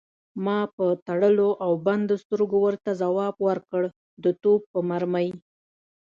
ما په تړلو او بندو سترګو ورته ځواب ورکړ: د توپ په مرمۍ.